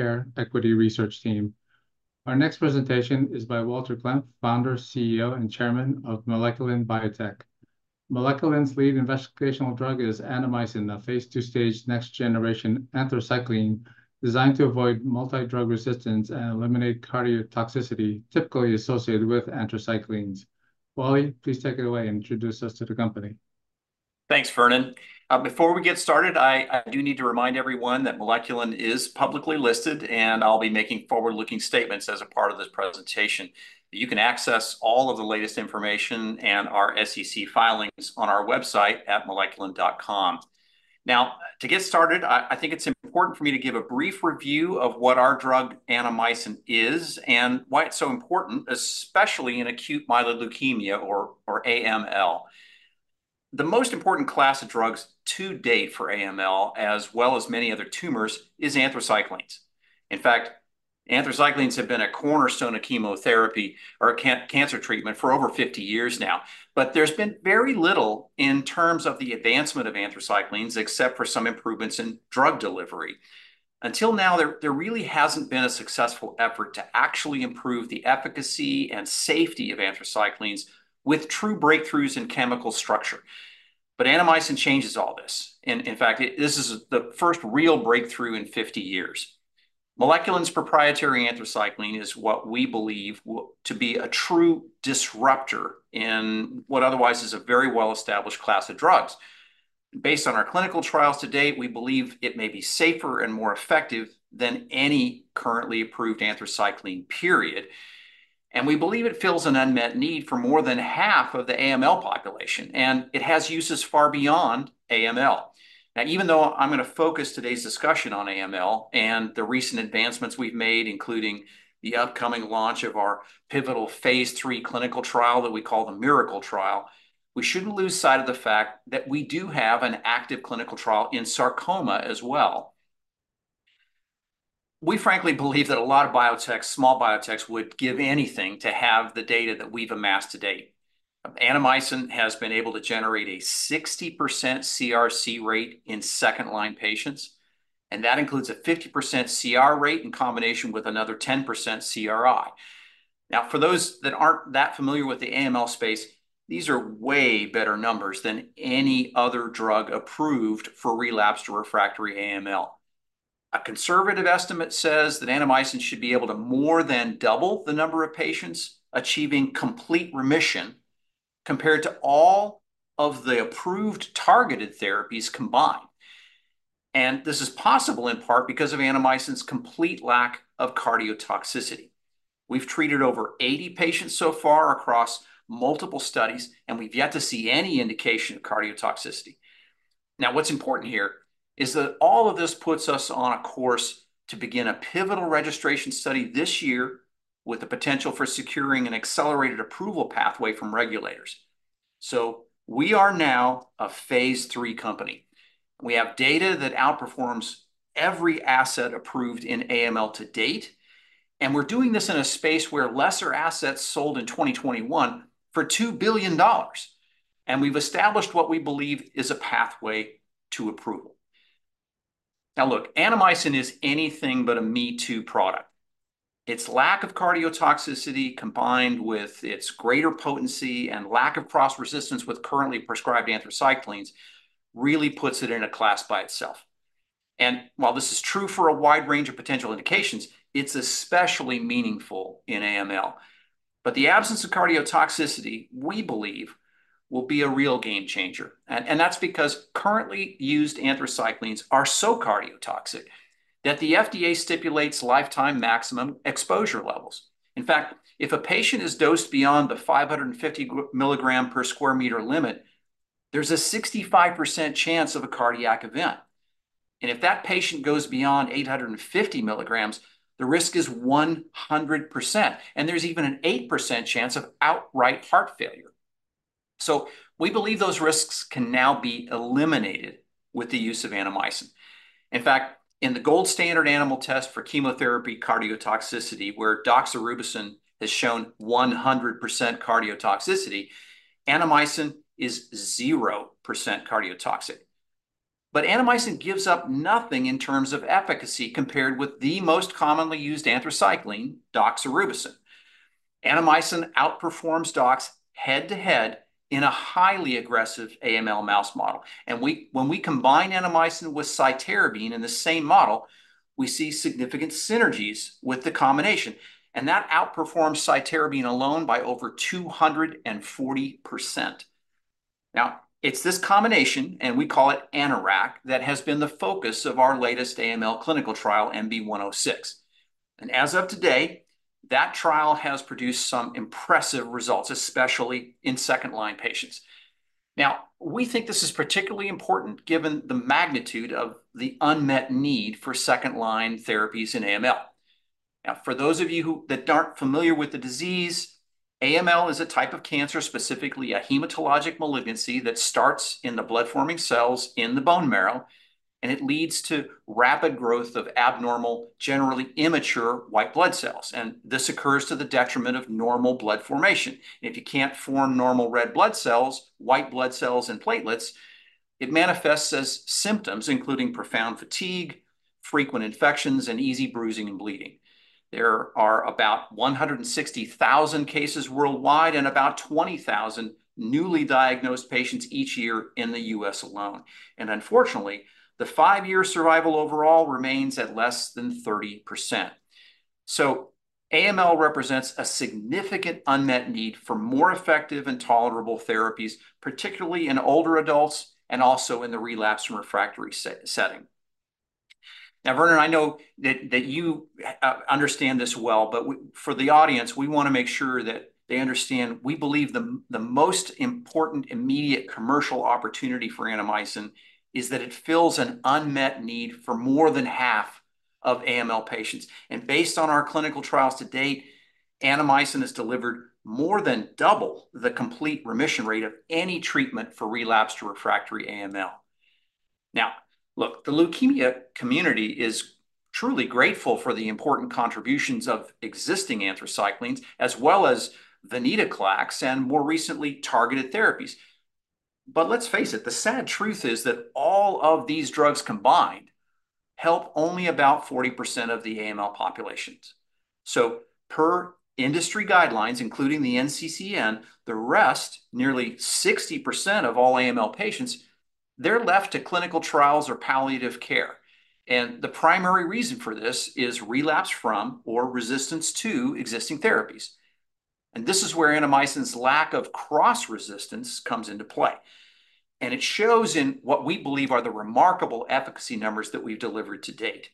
Healthcare equity research team. Our next presentation is by Walter Klemp, Founder, CEO, and Chairman of Moleculin Biotech. Moleculin's lead investigational drug is Annamycin, a phase II stage next-generation anthracycline designed to avoid multidrug resistance and eliminate cardiotoxicity typically associated with anthracyclines. Wally, please take it away and introduce us to the company. Thanks, Vernon. Before we get started, I do need to remind everyone that Moleculin is publicly listed, and I'll be making forward-looking statements as a part of this presentation. You can access all of the latest information and our SEC filings on our website at moleculin.com. Now, to get started, I think it's important for me to give a brief review of what our drug, Annamycin, is and why it's so important, especially in acute myeloid leukemia, or AML. The most important class of drugs to date for AML, as well as many other tumors, is anthracyclines. In fact, anthracyclines have been a cornerstone of chemotherapy or cancer treatment for over fifty years now. But there's been very little in terms of the advancement of anthracyclines, except for some improvements in drug delivery. Until now, there really hasn't been a successful effort to actually improve the efficacy and safety of anthracyclines with true breakthroughs in chemical structure. But Annamycin changes all this, and, in fact, this is the first real breakthrough in 50 years. Moleculin's proprietary anthracycline is what we believe to be a true disruptor in what otherwise is a very well-established class of drugs. Based on our clinical trials to date, we believe it may be safer and more effective than any currently approved anthracycline, period, and we believe it fills an unmet need for more than half of the AML population, and it has uses far beyond AML. Now, even though I'm gonna focus today's discussion on AML and the recent advancements we've made, including the upcoming launch of our pivotal phase 3 clinical trial that we call the MIRACLE Trial, we shouldn't lose sight of the fact that we do have an active clinical trial in sarcoma as well. We frankly believe that a lot of biotechs, small biotechs, would give anything to have the data that we've amassed to date. Annamycin has been able to generate a 60% CRC rate in second-line patients, and that includes a 50% CR rate in combination with another 10% CRi. Now, for those that aren't that familiar with the AML space, these are way better numbers than any other drug approved for relapsed or refractory AML. A conservative estimate says that Annamycin should be able to more than double the number of patients achieving complete remission compared to all of the approved targeted therapies combined, and this is possible in part because of Annamycin's complete lack of cardiotoxicity. We've treated over 80 patients so far across multiple studies, and we've yet to see any indication of cardiotoxicity. Now, what's important here is that all of this puts us on a course to begin a pivotal registration study this year with the potential for securing an accelerated approval pathway from regulators. So we are now a phase III company. We have data that outperforms every asset approved in AML to date, and we're doing this in a space where lesser assets sold in 2021 for $2 billion, and we've established what we believe is a pathway to approval. Now, look, Annamycin is anything but a me-too product. Its lack of cardiotoxicity, combined with its greater potency and lack of cross-resistance with currently prescribed anthracyclines, really puts it in a class by itself, and while this is true for a wide range of potential indications, it's especially meaningful in AML. But the absence of cardiotoxicity, we believe, will be a real game changer, and that's because currently used anthracyclines are so cardiotoxic that the FDA stipulates lifetime maximum exposure levels. In fact, if a patient is dosed beyond the 550-milligram per square meter limit, there's a 65% chance of a cardiac event, and if that patient goes beyond 850 milligrams, the risk is 100%, and there's even an 8% chance of outright heart failure. So we believe those risks can now be eliminated with the use of Annamycin. In fact, in the gold standard animal test for chemotherapy cardiotoxicity, where doxorubicin has shown 100% cardiotoxicity, Annamycin is 0% cardiotoxic. But Annamycin gives up nothing in terms of efficacy compared with the most commonly used anthracycline, doxorubicin. Annamycin outperforms dox head-to-head in a highly aggressive AML mouse model, and when we combine Annamycin with cytarabine in the same model, we see significant synergies with the combination, and that outperforms cytarabine alone by over 240%. Now, it's this combination, and we call AnnAraC, that has been the focus of our latest AML clinical trial, MB-106, and as of today, that trial has produced some impressive results, especially in second-line patients. Now, we think this is particularly important given the magnitude of the unmet need for second-line therapies in AML. Now, for those of you that aren't familiar with the disease, AML is a type of cancer, specifically a hematologic malignancy, that starts in the blood-forming cells in the bone marrow, and it leads to rapid growth of abnormal, generally immature white blood cells, and this occurs to the detriment of normal blood formation. If you can't form normal red blood cells, white blood cells, and platelets, it manifests as symptoms, including profound fatigue, frequent infections, and easy bruising and bleeding. There are about one hundred and sixty thousand cases worldwide and about twenty thousand newly diagnosed patients each year in the U.S. alone. Unfortunately, the five-year survival overall remains at less than 30%. AML represents a significant unmet need for more effective and tolerable therapies, particularly in older adults and also in the relapsed and refractory setting. Now, Vernon, I know that you understand this well, but for the audience, we wanna make sure that they understand. We believe the most important immediate commercial opportunity for Annamycin is that it fills an unmet need for more than half of AML patients. Based on our clinical trials to date, Annamycin has delivered more than double the complete remission rate of any treatment for relapsed/refractory AML. Now, look, the leukemia community is truly grateful for the important contributions of existing anthracyclines, as well as Venetoclax, and more recently, targeted therapies. Let's face it, the sad truth is that all of these drugs combined help only about 40% of the AML populations. So per industry guidelines, including the NCCN, the rest, nearly 60% of all AML patients, they're left to clinical trials or palliative care, and the primary reason for this is relapse from or resistance to existing therapies. And this is where Annamycin's lack of cross-resistance comes into play, and it shows in what we believe are the remarkable efficacy numbers that we've delivered to date.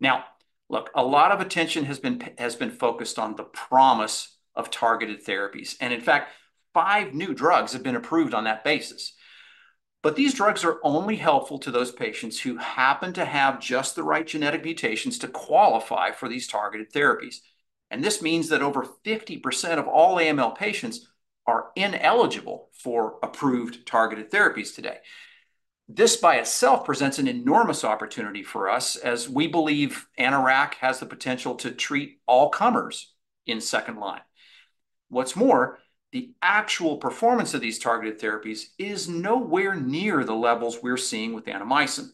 Now, look, a lot of attention has been focused on the promise of targeted therapies, and in fact, five new drugs have been approved on that basis. But these drugs are only helpful to those patients who happen to have just the right genetic mutations to qualify for these targeted therapies. And this means that over 50% of all AML patients are ineligible for approved targeted therapies today. This, by itself, presents an enormous opportunity for us, as we believe AnnAraC has the potential to treat all comers in second line. What's more, the actual performance of these targeted therapies is nowhere near the levels we're seeing with Annamycin.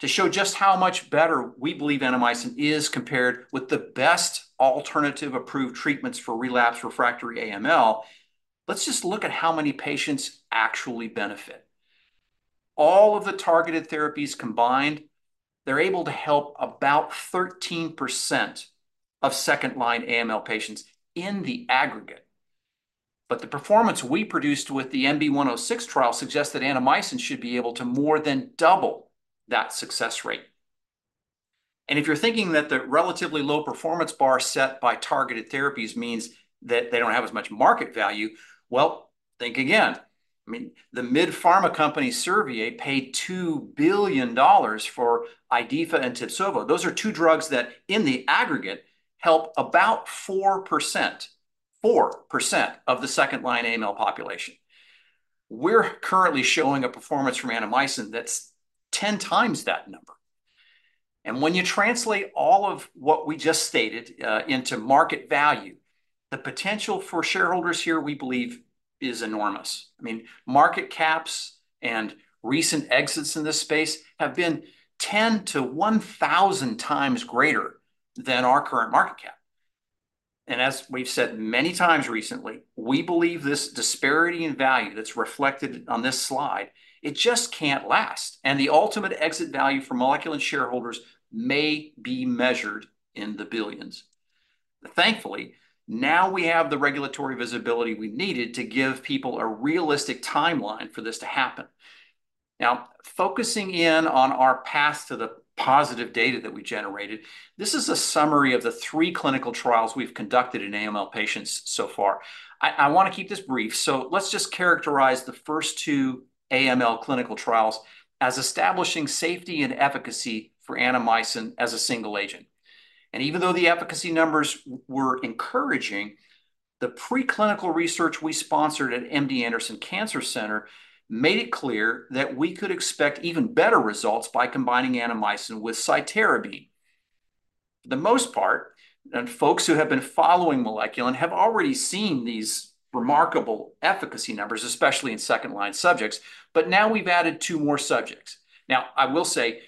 To show just how much better we believe Annamycin is compared with the best alternative approved treatments for relapsed refractory AML, let's just look at how many patients actually benefit. All of the targeted therapies combined, they're able to help about 13% of second-line AML patients in the aggregate. But the performance we produced with the MB-106 trial suggests that Annamycin should be able to more than double that success rate. And if you're thinking that the relatively low performance bar set by targeted therapies means that they don't have as much market value, well, think again. I mean, the mid pharma company Servier paid $2 billion for Idhifa and Tibsovo. Those are two drugs that, in the aggregate, help about 4% - 4% of the second-line AML population. We're currently showing a performance from Annamycin that's ten times that number. And when you translate all of what we just stated into market value, the potential for shareholders here, we believe, is enormous. I mean, market caps and recent exits in this space have been 10 to 1,000 times greater than our current market cap. And as we've said many times recently, we believe this disparity in value that's reflected on this slide, it just can't last, and the ultimate exit value for Moleculin shareholders may be measured in the billions. Thankfully, now we have the regulatory visibility we needed to give people a realistic timeline for this to happen. Now, focusing in on our path to the positive data that we generated, this is a summary of the three clinical trials we've conducted in AML patients so far. I wanna keep this brief, so let's just characterize the first two AML clinical trials as establishing safety and efficacy for Annamycin as a single agent. Even though the efficacy numbers were encouraging, the preclinical research we sponsored at MD Anderson Cancer Center made it clear that we could expect even better results by combining Annamycin with Cytarabine. For the most part, and folks who have been following Moleculin have already seen these remarkable efficacy numbers, especially in second-line subjects. But now we've added two more subjects. Now, I will say,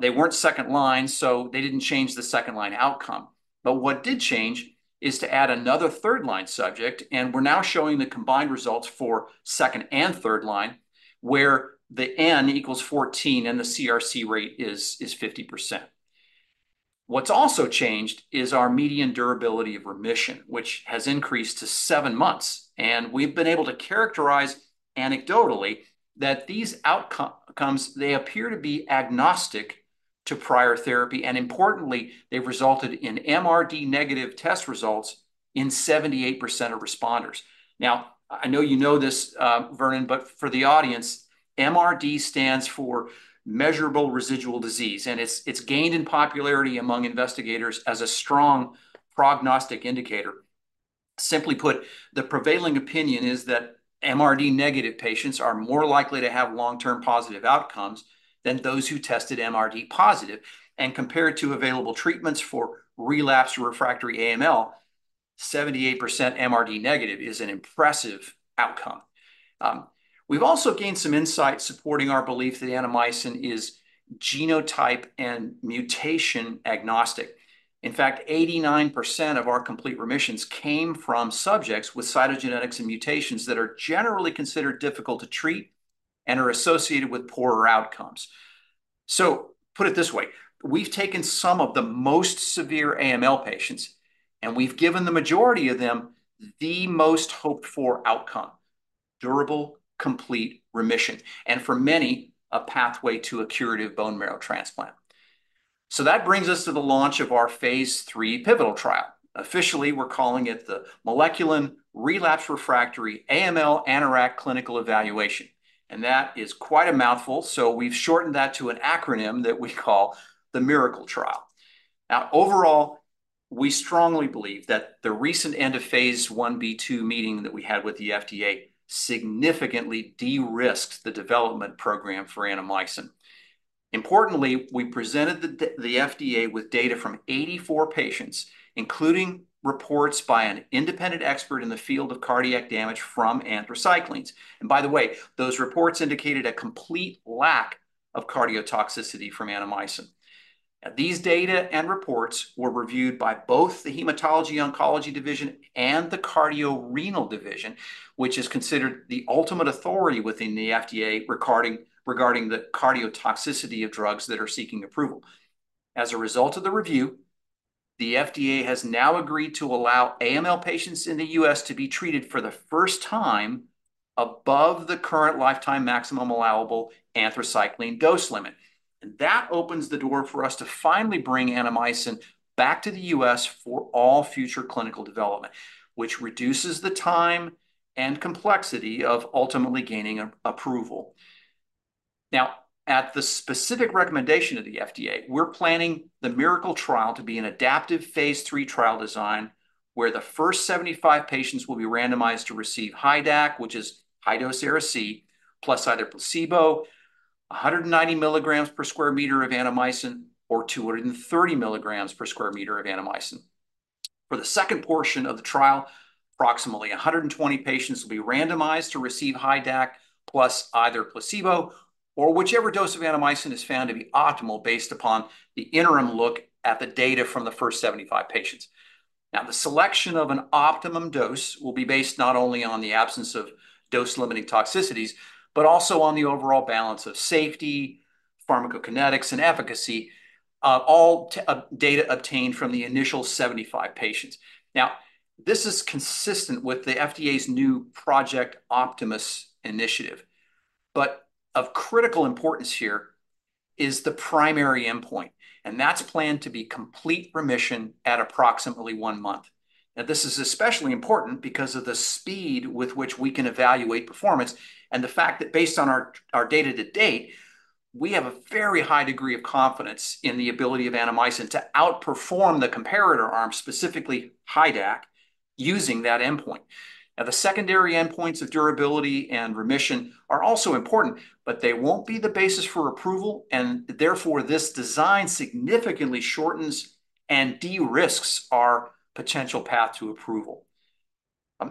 they weren't second line, so they didn't change the second-line outcome. But what did change is to add another third-line subject, and we're now showing the combined results for second and third line, where the n equals fourteen and the CRC rate is 50%. What's also changed is our median durability of remission, which has increased to seven months, and we've been able to characterize anecdotally that these outcomes, they appear to be agnostic to prior therapy, and importantly, they've resulted in MRD-negative test results in 78% of responders. Now, I know you know this, Vernon, but for the audience, MRD stands for Measurable Residual Disease, and it's gained in popularity among investigators as a strong prognostic indicator. Simply put, the prevailing opinion is that MRD-negative patients are more likely to have long-term positive outcomes than those who tested MRD positive. Compared to available treatments for relapsed/refractory AML-... 78% MRD negative is an impressive outcome. We've also gained some insight supporting our belief that Annamycin is genotype and mutation agnostic. In fact, 89% of our complete remissions came from subjects with cytogenetics and mutations that are generally considered difficult to treat and are associated with poorer outcomes. So put it this way, we've taken some of the most severe AML patients, and we've given the majority of them the most hoped-for outcome: durable, complete remission, and for many, a pathway to a curative bone marrow transplant. So that brings us to the launch of our phase 3 pivotal trial. Officially, we're calling it the Moleculin Relapsed/Refractory AnnAraC clinical Evaluation, and that is quite a mouthful, so we've shortened that to an acronym that we call the MIRACLE Trial. Now, overall, we strongly believe that the recent end of Phase 1b/2 meeting that we had with the FDA significantly de-risked the development program for Annamycin. Importantly, we presented the FDA with data from 84 patients, including reports by an independent expert in the field of cardiac damage from anthracyclines. And by the way, those reports indicated a complete lack of cardiotoxicity from Annamycin. Now, these data and reports were reviewed by both the Hematology Oncology Division and the Cardio-Renal Division, which is considered the ultimate authority within the FDA regarding the cardiotoxicity of drugs that are seeking approval. As a result of the review, the FDA has now agreed to allow AML patients in the U.S. to be treated for the first time above the current lifetime maximum allowable anthracycline dose limit. That opens the door for us to finally bring Annamycin back to the U.S. for all future clinical development, which reduces the time and complexity of ultimately gaining an approval. Now, at the specific recommendation of the FDA, we're planning the MIRACLE Trial to be an adaptive phase 3 trial design, where the first seventy-five patients will be randomized to receive HiDAC, which is high-dose Ara-C, plus either placebo, a hundred and ninety milligrams per square meter of Annamycin, or two hundred and thirty milligrams per square meter of Annamycin. For the second portion of the trial, approximately a hundred and twenty patients will be randomized to receive HiDAC plus either placebo or whichever dose of Annamycin is found to be optimal, based upon the interim look at the data from the first seventy-five patients. Now, the selection of an optimum dose will be based not only on the absence of dose-limiting toxicities, but also on the overall balance of safety, pharmacokinetics, and efficacy, of all data obtained from the initial 75 patients. Now, this is consistent with the FDA's new Project Optimus initiative, but of critical importance here is the primary endpoint, and that's planned to be complete remission at approximately one month. Now, this is especially important because of the speed with which we can evaluate performance and the fact that based on our data to date, we have a very high degree of confidence in the ability of Annamycin to outperform the comparator arm, specifically HiDAC, using that endpoint. Now, the secondary endpoints of durability and remission are also important, but they won't be the basis for approval, and therefore, this design significantly shortens and de-risks our potential path to approval.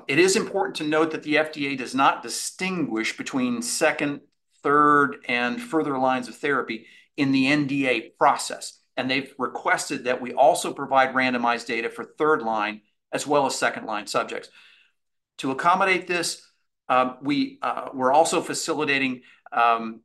It is important to note that the FDA does not distinguish between second, third, and further lines of therapy in the NDA process, and they've requested that we also provide randomized data for third-line, as well as second-line subjects. To accommodate this, we're also facilitating the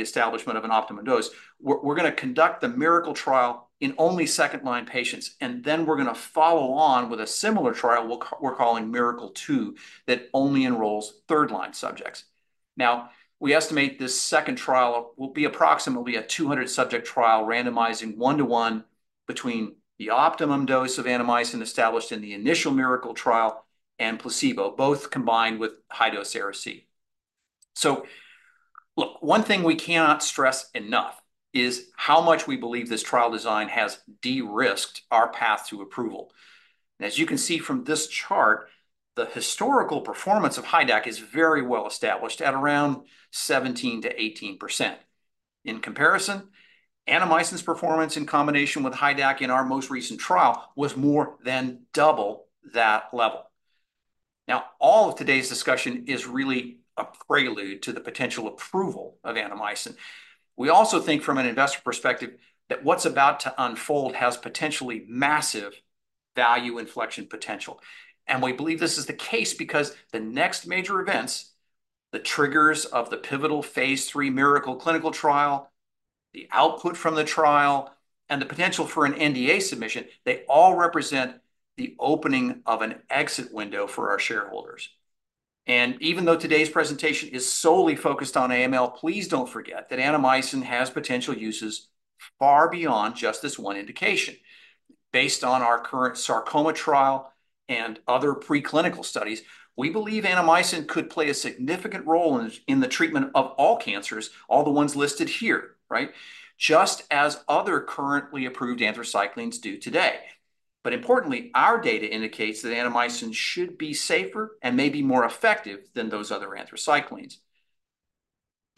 establishment of an optimum dose. We're gonna conduct the Miracle Trial in only second-line patients, and then we're gonna follow on with a similar trial we're calling MIRACLE 2, that only enrolls third-line subjects. Now, we estimate this second trial will be approximately a 200-subject trial, randomizing one-to-one between the optimum dose of Annamycin established in the initial Miracle Trial and placebo, both combined with high-dose Ara-C. So look, one thing we cannot stress enough is how much we believe this trial design has de-risked our path to approval. As you can see from this chart, the historical performance of HiDAC is very well-established at around 17%-18%. In comparison, Annamycin's performance in combination with HiDAC in our most recent trial was more than double that level. Now, all of today's discussion is really a prelude to the potential approval of Annamycin. We also think from an investor perspective, that what's about to unfold has potentially massive value inflection potential. We believe this is the case because the next major events, the triggers of the pivotal phase 3 MIRACLE trial, the output from the trial, and the potential for an NDA submission, they all represent the opening of an exit window for our shareholders. Even though today's presentation is solely focused on AML, please don't forget that Annamycin has potential uses far beyond just this one indication. Based on our current sarcoma trial and other preclinical studies, we believe Annamycin could play a significant role in the treatment of all cancers, all the ones listed here, right? Just as other currently approved anthracyclines do today. Importantly, our data indicates that Annamycin should be safer and maybe more effective than those other anthracyclines....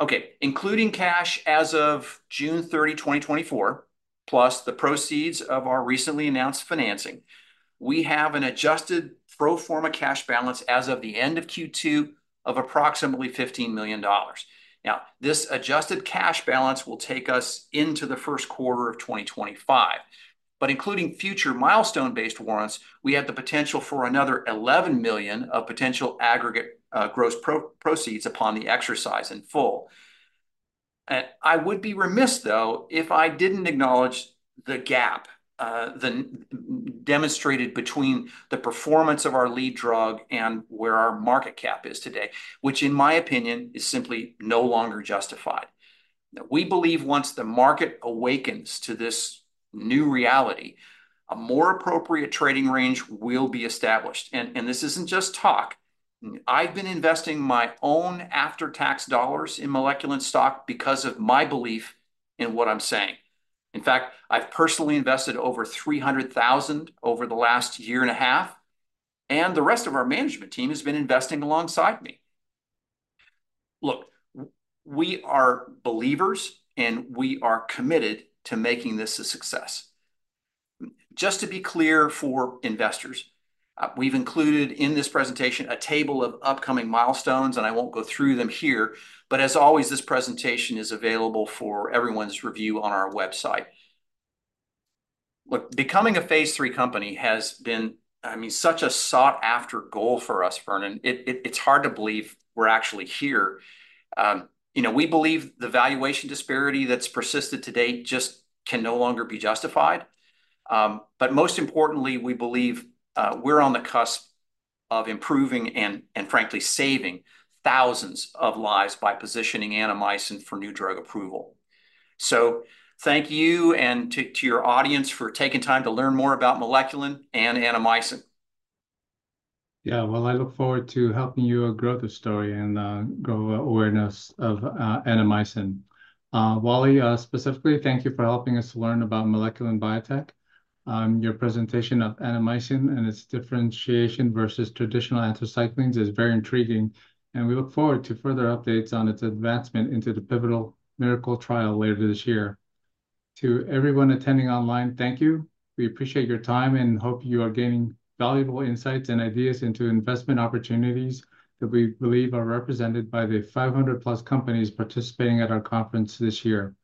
Okay, including cash as of June 30, 2024, plus the proceeds of our recently announced financing, we have an adjusted pro forma cash balance as of the end of Q2 of approximately $15 million. Now, this adjusted cash balance will take us into the first quarter of 2025, but including future milestone-based warrants, we have the potential for another $11 million of potential aggregate gross proceeds upon the exercise in full. And I would be remiss, though, if I didn't acknowledge the gap demonstrated between the performance of our lead drug and where our market cap is today, which in my opinion, is simply no longer justified. Now, we believe once the market awakens to this new reality, a more appropriate trading range will be established, and this isn't just talk. I've been investing my own after-tax dollars in Moleculin stock because of my belief in what I'm saying. In fact, I've personally invested over $300,000 over the last year and a half, and the rest of our management team has been investing alongside me. Look, we are believers, and we are committed to making this a success. Just to be clear for investors, we've included in this presentation a table of upcoming milestones, and I won't go through them here, but as always, this presentation is available for everyone's review on our website. Look, becoming a phase III company has been, I mean, such a sought-after goal for us, Vernon. It's hard to believe we're actually here. You know, we believe the valuation disparity that's persisted to date just can no longer be justified. But most importantly, we believe we're on the cusp of improving and frankly saving thousands of lives by positioning Annamycin for new drug approval. So thank you and to your audience for taking time to learn more about Moleculin and Annamycin. Yeah, well, I look forward to helping you grow the story and grow awareness of Annamycin. Wally, specifically, thank you for helping us learn about Moleculin Biotech. Your presentation of Annamycin and its differentiation versus traditional anthracyclines is very intriguing, and we look forward to further updates on its advancement into the pivotal MIRACLE Trial later this year. To everyone attending online, thank you. We appreciate your time, and hope you are gaining valuable insights and ideas into investment opportunities that we believe are represented by the 500-plus companies participating at our conference this year.